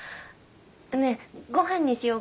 ねえご飯にしよう。